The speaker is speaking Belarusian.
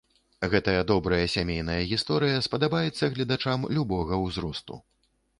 Гэтая добрая сямейная гісторыя спадабаецца гледачам любога ўзросту!